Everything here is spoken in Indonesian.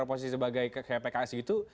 oposisi sebagai pks gitu